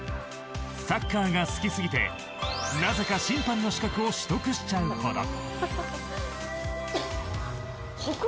サッカーが好きすぎてなぜか審判の資格を取得しちゃうほど。